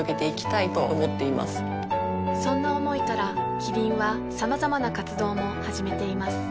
そんな思いからキリンはさまざまな活動も始めています